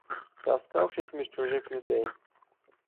Таскавшись між чужих людей!